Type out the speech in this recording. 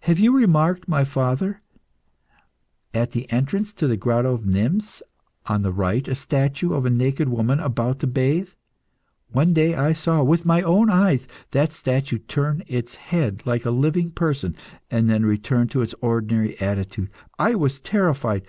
Have you remarked, my father, at the entrance to the Grotto of Nymphs, on the right, a statue of a naked woman about to bathe? One day I saw, with my own eyes, that statue turn its head like a living person, and then return to its ordinary attitude. I was terrified.